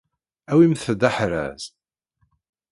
Awimt-d aḥraz.